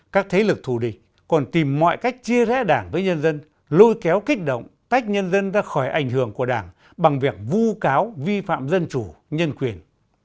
các thế lực thù địch còn tìm mọi cách chia rẽ đảng với nhân dân lôi kéo kích động tách nhân dân ra khỏi ảnh hưởng của đảng bằng việc vu cáo vi phạm dân chủ nhân quyền